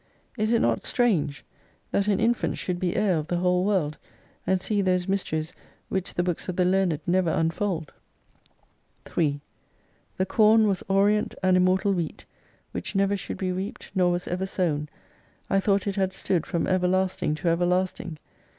Is it not strange, that an infant should be heir of the whole World, and see those mysteries which the books of the learned never unfold ? 3 The com was orient and immortal wheat, which never should be reaped, nor was ever sown. I thought it had stood from everlasting to everlasting.